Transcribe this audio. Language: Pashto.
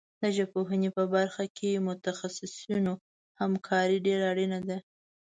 د ژبپوهنې په برخه کې د متخصصینو همکاري ډېره اړینه ده.